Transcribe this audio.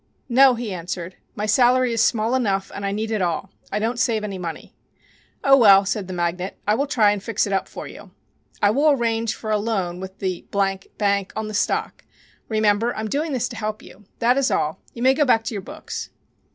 "No," he answered. "My salary is small enough and I need it all. I don't save any money." "Oh, well," said the magnate, "I will try and fix it up for you. I will arrange for a loan with the Bank on the stock. Remember, I'm doing this to help you. That is all. You may go back to your books."